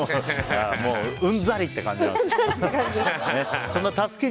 うんざりって感じなんですね。